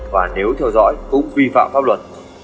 và nếu theo dõi cũng vi phạm pháp luật